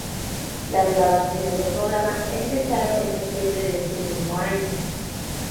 Las grabaciones del programa empezaron en septiembre de ese mismo año.